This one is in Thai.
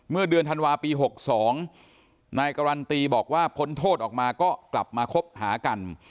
เมื่อเดือนธันวาปี๖๒นายการันตีบอกว่าพ้นโทษออกมาก็กลับมาคบหากัน